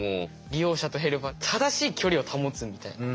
利用者とヘルパー正しい距離を保つみたいな。